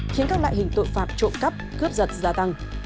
khiến các loại hình tội phạm trộm cắp cướp giật gia tăng